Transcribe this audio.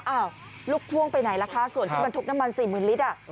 อ้าวลูกพ่วงไปไหนล่ะคะส่วนที่บรรทุกน้ำมัน๔๐๐๐ลิตร